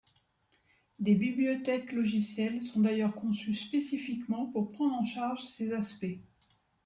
Des bibliothèques logicielles sont d'ailleurs conçues spécifiquement pour prendre en charge ces aspects.